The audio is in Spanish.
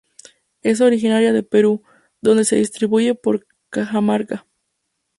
Es originaria de Perú, donde se distribuye por Cajamarca.